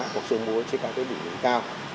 hoặc sườn búa trên cả cái bụi núi cao